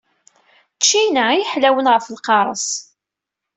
Ččina i yeḥlawen ɣef lqareṣ.